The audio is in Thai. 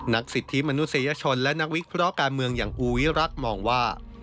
สิทธิมนุษยชนและนักวิเคราะห์การเมืองอย่างภูวิรัติมองว่า